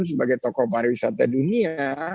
sebagai tokoh para wisata dunia